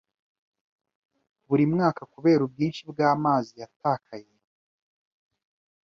buri mwaka kubera ubwinshi bwamazi yatakaye